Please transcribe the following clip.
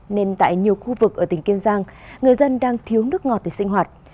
nên tại nhiều khu vực ở tỉnh kiên giang người dân đang thiếu nước ngọt để sinh hoạt